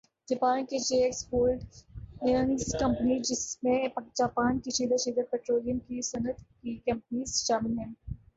Japan کی J X holdings company جس میں جاپان کی چیدہ چیدہ پٹرولیم کی صنعت کی کمپنیز شامل ہیں